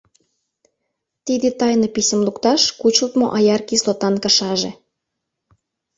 Тиде тайнописьым лукташ кучылтмо аяр кислотан кышаже.